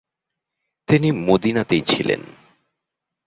তিনি মদিনাতেই ছিলেন।